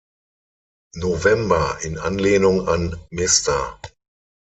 November" in Anlehnung an "Mr.